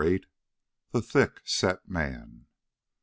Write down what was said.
VIII. THE THICK SET MAN.